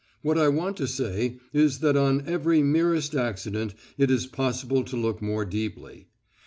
What I want to say is that on every merest accident it is possible to look more deeply.